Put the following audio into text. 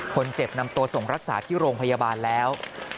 คนเจ็บนำตัวส่งรักษาที่โรงพยาบาลแล้ว